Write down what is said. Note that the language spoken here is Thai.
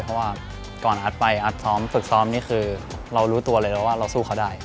เพราะว่าก่อนอัดไปอัดซ้อมฝึกซ้อมนี่คือเรารู้ตัวเลยนะว่าเราสู้เขาได้